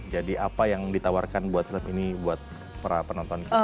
jadi apa yang ditawarkan buat film ini buat para penonton